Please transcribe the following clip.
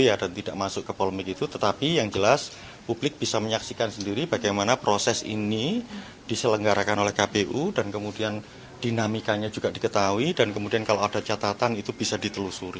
iya dan tidak masuk ke polemik itu tetapi yang jelas publik bisa menyaksikan sendiri bagaimana proses ini diselenggarakan oleh kpu dan kemudian dinamikanya juga diketahui dan kemudian kalau ada catatan itu bisa ditelusuri